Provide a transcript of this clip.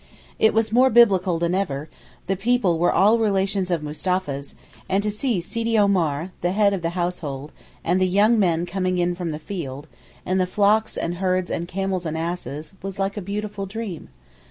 It was more Biblical than ever; the people were all relations of Mustapha's, and to see Sidi Omar, the head of the household, and the 'young men coming in from the field,' and the 'flocks and herds and camels and asses,' was like a beautiful dream.